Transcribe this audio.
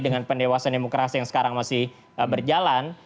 dengan pendewasan demokrasi yang sekarang masih berjalan